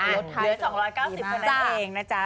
ลดไทยส่ง๒๙๐เป็นเองนะจ๊ะ